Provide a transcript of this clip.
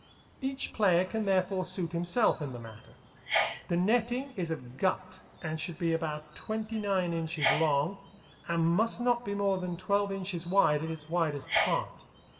Each player can therefore suit himself in the matter. The netting is of gut, and should be about twenty nine inches long, and must not be more than twelve inches wide at its widest part.